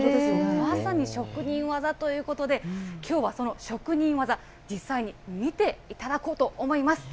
まさに職人技ということで、きょうはその職人技、実際に見ていただこうと思います。